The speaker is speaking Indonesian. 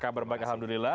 kabar baik alhamdulillah